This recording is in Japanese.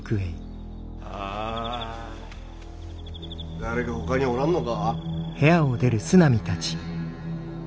誰かほかにおらぬのか。